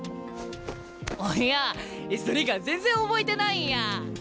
あいやそれが全然覚えてないんや。